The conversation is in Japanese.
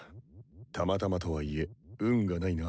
たまたまとはいえ運がないな。